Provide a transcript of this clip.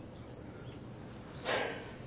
はあ。